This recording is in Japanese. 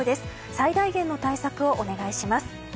最大限の対策をお願いします。